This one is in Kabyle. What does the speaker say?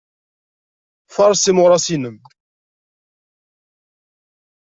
Faṛes imuras-inem.